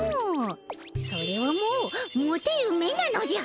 それはもうモテる目なのじゃ。